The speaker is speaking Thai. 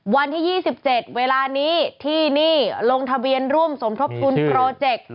วันที่๒๗เวลานี้ที่นี่ลงทะเบียนร่วมสมทบทุนโปรเจกต์